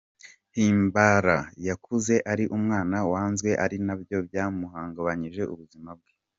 Himbara yakuze ari umwana wanzwe, ari nabyo byahungabanyije ubuzima bwe.